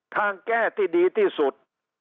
ทางแก้ที่ดีที่สุด